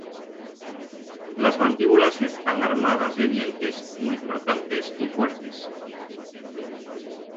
Las mandíbulas están armadas de dientes muy cortantes y fuertes.